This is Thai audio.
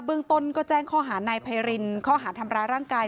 เมืองต้นก็แจ้งข้อหานายไพรินข้อหาทำร้ายร่างกาย